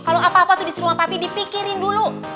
kalau apa apa tuh disuruh pak pi dipikirin dulu